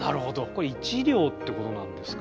これ１両ってことなんですかね？